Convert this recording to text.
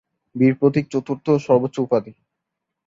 বীর প্রতীক চতুর্থ সর্বোচ্চ উপাধি।